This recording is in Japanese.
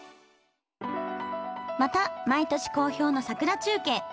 また毎年好評の桜中継。